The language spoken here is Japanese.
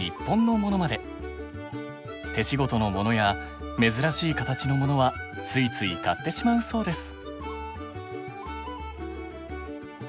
手仕事のものや珍しい形のものはついつい買ってしまうそうです。